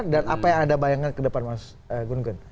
dan apa yang anda bayangkan ke depan mas gun gun